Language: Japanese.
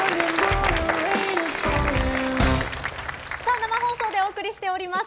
生放送でお送りしております。